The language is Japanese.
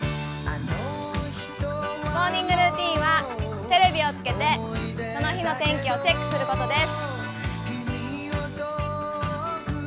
モーニングルーティンはテレビをつけて、その日の天気をチェックすることです。